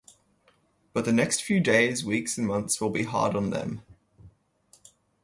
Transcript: But the next few days, weeks, and months, will be hard on them.